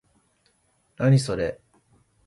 何、それ？